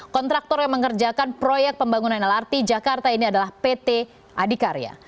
kontraktor yang mengerjakan proyek pembangunan lrt jakarta ini adalah pt adikarya